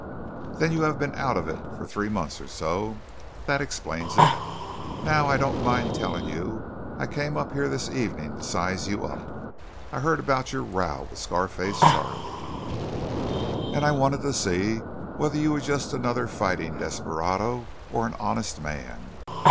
"Then you have been out of it for three months or so. That explains it. Now I don't mind telling you I came up here this evening to size you up. I heard about your row with Scar face Charley, and I wanted to see whether you were just another fighting desperado or an honest man.